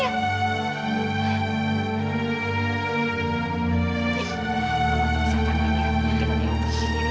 nanti mama terserah sama dia